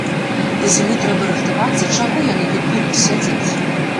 Да зімы трэба рыхтавацца, чаго яны тут будуць сядзець?